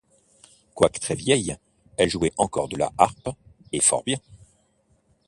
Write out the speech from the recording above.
Quoique très vieille, elle jouait encore de la harpe, et fort bien.